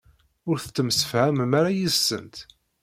Ur tettemsefhamem ara yid-sent?